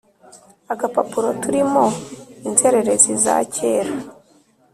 agapapuro turimo inzererezi za kera;